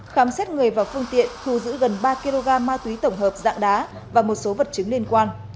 khám xét người và phương tiện thu giữ gần ba kg ma túy tổng hợp dạng đá và một số vật chứng liên quan